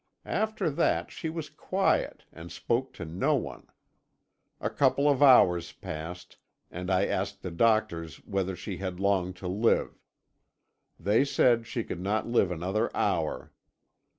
After that she was quiet, and spoke to no one. A couple of hours passed, and I asked the doctors whether she had long to live. They said she could not live another hour.